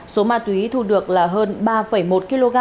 số ma túy thu được là hơn ba một kg và nhiều vật chứng có liên quan